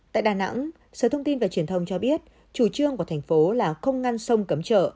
tại đà nẵng sở thông tin và truyền thông cho biết chủ trương của thành phố là không ngăn sông cấm chợ